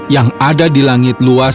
yang ada di langit luas